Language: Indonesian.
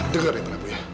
dengar ya prabu